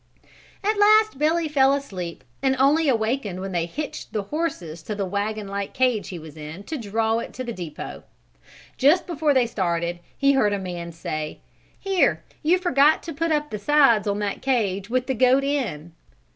At last Billy fell asleep and only awakened when they hitched the horses to the wagon like cage he was in to draw it to the depot. Just before they started he heard a man say: "Here, you forgot to put up the sides on that cage with the goat in."